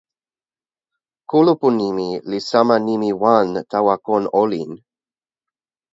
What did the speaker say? kulupu nimi li sama nimi wan tawa kon olin.